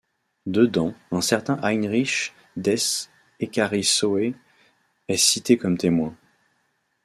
Dedans, un certain Heinrich des Ekkarisowe est cité comme témoin.